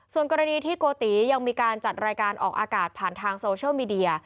ส่วนกรณีที่โกติยังมีการจัดรายการออกอากาศผ่านทางโซเชียลมีเดีย